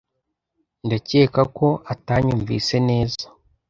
Ndakeka ko utanyumvise neza.